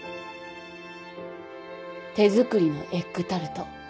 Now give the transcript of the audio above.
手作りのエッグタルト。